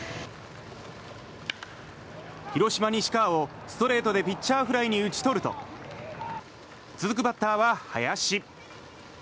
広島、西川をストレートでピッチャーフライに打ち取ると続くバッターは、林。